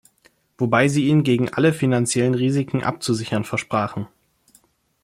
Wobei sie ihn gegen alle finanziellen Risiken abzusichern versprachen.